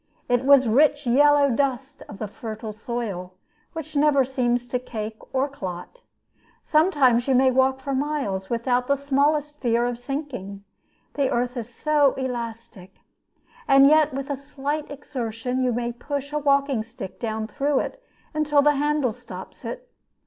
It was rich yellow dust of the fertile soil, which never seems to cake or clot. Sometimes you may walk for miles without the smallest fear of sinking, the earth is so elastic. And yet with a slight exertion you may push a walking stick down through it until the handle stops it.